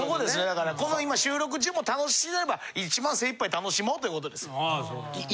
だからこの今収録中も楽しめば一番精一杯楽しもうということです。